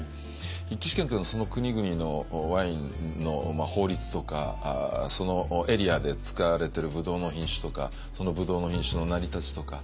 筆記試験というのはその国々のワインの法律とかそのエリアで使われてるブドウの品種とかそのブドウの品種の成り立ちとか。